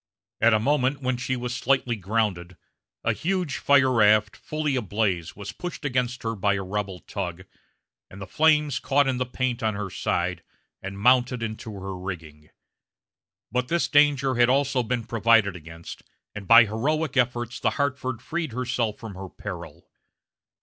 At a moment when she slightly grounded a huge fire raft, fully ablaze, was pushed against her by a rebel tug, and the flames caught in the paint on her side, and mounted into her rigging. But this danger had also been provided against, and by heroic efforts the Hartford freed herself from her peril.